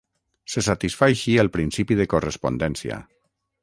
Se satisfà així el principi de correspondència.